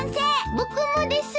僕もです！